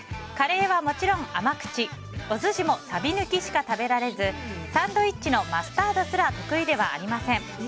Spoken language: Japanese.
カレーはもちろん甘口お寿司もさび抜きしか食べられずサンドイッチのマスタードすら得意ではありません。